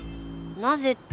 なぜって。